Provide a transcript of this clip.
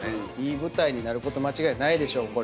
いい舞台になること間違いない。